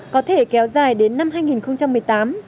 có thể kéo dài đến năm hai nghìn một mươi tám